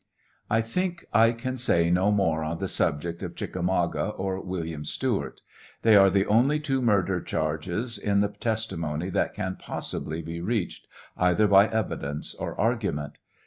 I think I can say no more on the subject of Chickamauga or William Stewart. They are the only two murder charges in the testimony that can possibly be reached, either by evidence or argument.